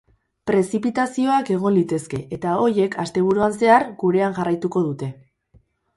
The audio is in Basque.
Prezipitazioak egon litezke, eta horiek, asteburuan zehar, gurean jarraituko dute.